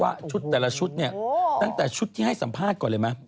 ชุดแต่ละชุดเนี่ยตั้งแต่ชุดที่ให้สัมภาษณ์ก่อนเลยไหม